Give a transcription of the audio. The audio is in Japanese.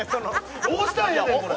どうしたらええねんこれ？